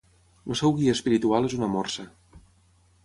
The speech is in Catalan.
El seu guia espiritual és una morsa.